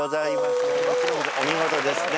お見事ですね。